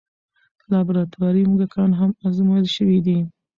لابراتواري موږکان هم ازمویل شوي دي.